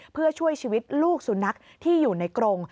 เพื่อช่วยชีวิตลูกสุนัขที่อยู่ในกรง